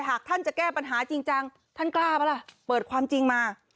หากท่านจะแก้ปัญหาจริงจังท่านกล้าป่ะล่ะเปิดความจริงมา